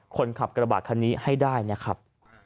คนขับกระบาดคันนี้ให้ได้นะครับ